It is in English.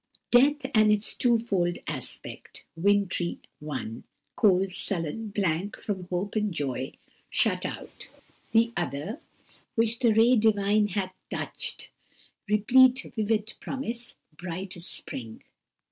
"Death and its two fold aspect! wintry—one, Cold, sullen, blank, from hope and joy shut out; The other, which the ray divine hath touch'd, Replete with vivid promise, bright as spring."